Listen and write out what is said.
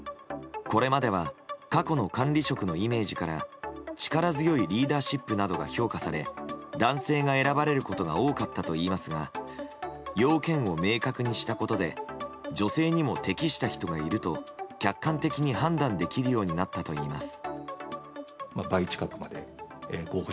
これまでは過去の管理職のイメージから力強いリーダーシップなどが評価され男性が選ばれることが多かったといいますが要件を明確にしたことで女性にも適した人がいると客観的に判断できるようになったといいます。